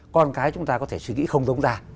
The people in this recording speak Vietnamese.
còn cái chúng ta có thể suy nghĩ không giống ta